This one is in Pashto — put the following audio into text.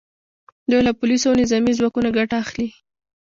دوی له پولیسو او نظامي ځواکونو ګټه اخلي